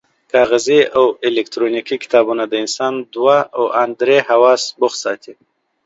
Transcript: کاغذي او الکترونیکي کتابونه د انسان دوه او ان درې حواس بوخت ساتي.